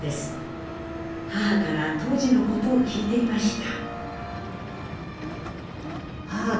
母から当時のことを聞いていました。